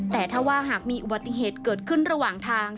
แต่ถ้าว่าหากมีอุบัติเหตุเกิดขึ้นระหว่างทาง